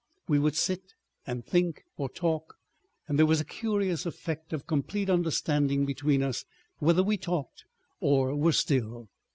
We would sit and think, or talk—there was a curious effect of complete understanding between us whether we talked or were still.